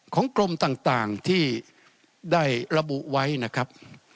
ของกรมต่างที่ได้ระบุไว้นะครับ